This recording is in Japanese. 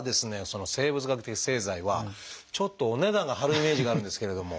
その生物学的製剤はちょっとお値段が張るイメージがあるんですけれども。